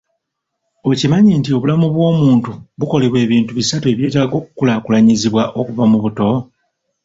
Okimanyi nti obulamu bw'omuntu bukolebwa ebintu bisatu ebyetaaga okukulakulanyizibwa okuva mu buto?